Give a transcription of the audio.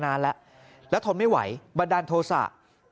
นานละแล้วผมไม่ไหวบัตรอาจารย์โทษา